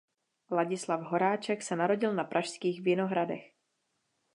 Ladislav Horáček se narodil na pražských Vinohradech.